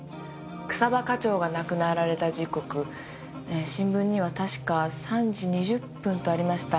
草葉課長が亡くなられた時刻新聞には確か３時２０分とありました。